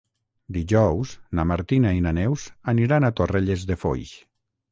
Dijous na Martina i na Neus aniran a Torrelles de Foix.